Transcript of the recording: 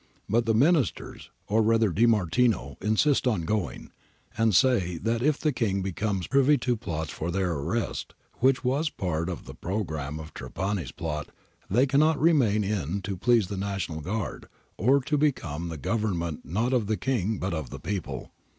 But the Ministers, or rather De Martino, insist on going, and say that if the King becomes privy to plots for their arrest, which was part of the programme of Trapani's plot, they cannot remain in to please the National Guard, or to become the Government not of the King but of the people.